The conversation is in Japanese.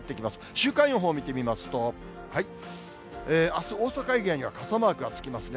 週間予報見てみますと、あす、大阪以外には傘マークがつきますね。